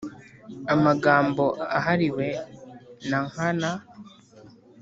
amagambo ahariwe nankana.